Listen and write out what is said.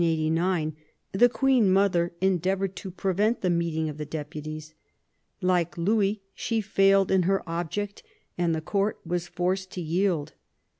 in 1789, the queen mother endeavoured to prevent the meeting of the deputies. Like Louis she failed in her object, and the court was forced to yield.